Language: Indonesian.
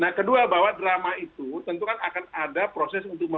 nah kedua bahwa drama itu tentu kan akan ada proses untuk